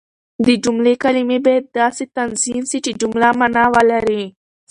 د جملې کلیمې باید داسي تنظیم سي، چي جمله مانا ولري.